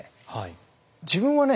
自分はね